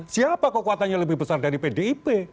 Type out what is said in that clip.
siapa kekuatannya lebih besar dari pdip